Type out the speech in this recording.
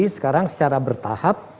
sekarang secara bertahap